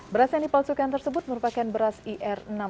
beras yang dipalsukan tersebut merupakan beras ir enam puluh